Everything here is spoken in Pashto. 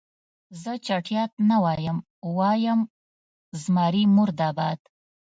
زه چټیات نه وایم، وایم زمري مرده باد.